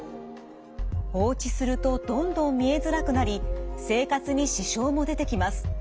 放置するとどんどん見えづらくなり生活に支障も出てきます。